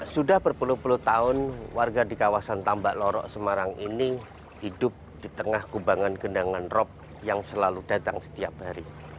sudah berpuluh puluh tahun warga di kawasan tambak lorok semarang ini hidup di tengah kubangan genangan rop yang selalu datang setiap hari